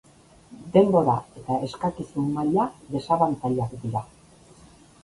Denbora eta eskakizun maila desabantailak dira.